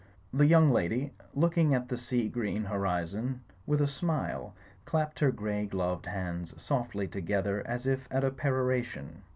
The young lady, looking at the sea green horizon with a smile, clapped her grey gloved hands $oftly together as if at a peroration.